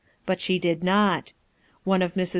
But she did not. One of airs.